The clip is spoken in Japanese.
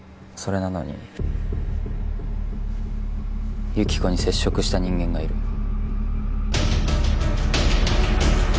それなのに幸子に接触した人間がいる。